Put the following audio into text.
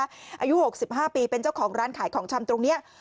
อายุ๖๕ปีเป็นเจ้าของร้านขายของชำตรงนี้